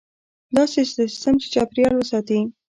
داسې سیستم چې چاپیریال وساتي.